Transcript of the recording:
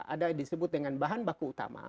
ada disebut dengan bahan baku utama